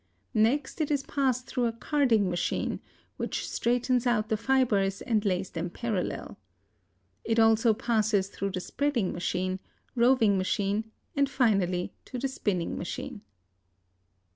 Next it is passed through a carding machine, which straightens out the fibers and lays them parallel. It also passes through the spreading machine, roving machine and finally to the spinning machine.